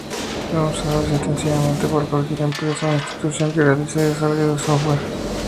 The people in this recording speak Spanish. Son usados intensivamente por cualquier empresa o institución que realice desarrollo de software.